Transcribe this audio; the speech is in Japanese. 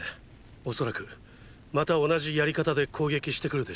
おそらくまた同じやり方で攻撃してくるでしょう。